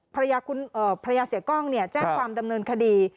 ภรรยาเสียกล้องเนี่ยแจ้งความดำเนินคดี